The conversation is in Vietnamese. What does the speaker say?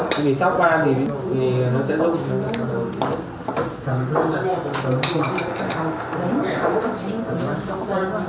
khi sóc qua thì nó sẽ dung